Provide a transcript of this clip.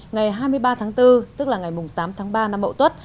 ngày hai mươi ba tháng bốn tức là ngày tám tháng ba năm mậu tuất